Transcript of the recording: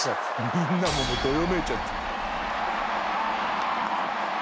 「みんなもうどよめいちゃって」